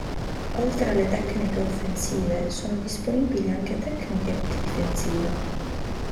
Oltre alle tecniche offensive, sono disponibili anche tecniche difensive.